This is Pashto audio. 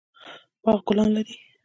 باغ ګلان لري